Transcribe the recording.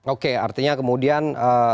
oke artinya kemudian